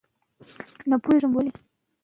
اقتصاد د بازار د فعالیتونو مطالعه ده.